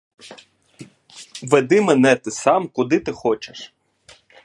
Веди мене ти сам, куди ти хочеш!